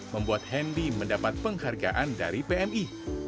membuat hendy mendapat penghargaan dari pmi